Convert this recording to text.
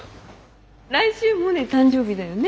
来週モネ誕生日だよね？